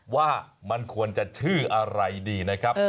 ว่ามันควรจะชื่ออะไรดีนะครับ